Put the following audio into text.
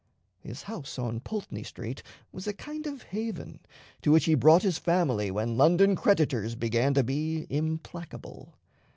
His house in Pulteney Street was a kind of haven, to which he brought his family when London creditors began to be implacable.